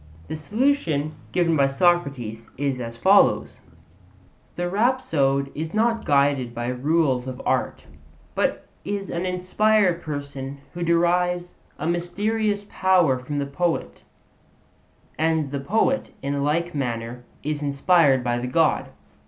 The solution given by Socrates is as follows: The rhapsode is not guided by rules of art, but is an inspired person who derives a mysterious power from the poet; and the poet, in like manner, is inspired by the God.